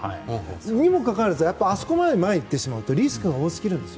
それにもかかわらずあそこまで前に行ってしまうとリスクが多すぎるんです。